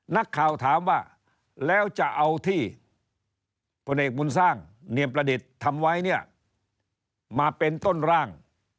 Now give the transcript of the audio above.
นักข่าวถามว่าแล้วจะเอาที่พลเอกบุญสร้างเนียมประดิษฐ์ทำไว้เนี่ยมาเป็นต้นร่าง